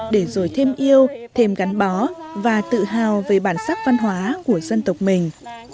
để rồi thêm yêu thêm gắn bó và tự hào về bản sắc văn hóa của dân tộc mình